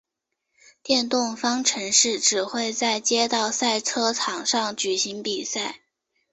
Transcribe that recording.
电动方程式只会在街道赛车场上举行比赛。